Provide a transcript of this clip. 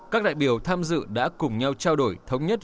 các đại biểu tham dự đã cùng nhau trao đổi thống nhất